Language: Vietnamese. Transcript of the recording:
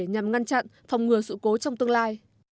nhằm ngăn chặn phòng ngừa sự cố trong tương lai